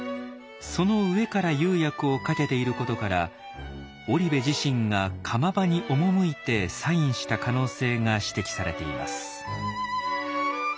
その上から釉薬をかけていることから織部自身が窯場に赴いてサインした可能性が指摘されています。